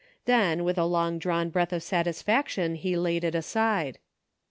Then, with a long drawn breath of satisfaction, he laid it aside.